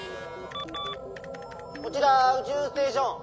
こちらうちゅうステーション。